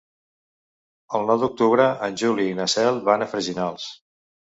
El nou d'octubre en Juli i na Cel van a Freginals.